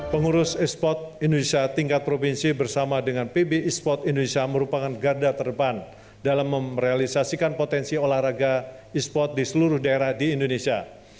pengurus esports indonesia tingkat provinsi bersama dengan pbi sports indonesia merupakan garda terdepan dalam merealisasikan potensi olahraga esports di seluruh daerah di indonesia